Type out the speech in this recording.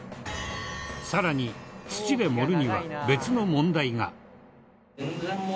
更に土で盛るには別の問題が。